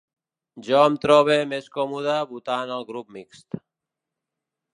Jo em trobe més còmode votant al grup mixt.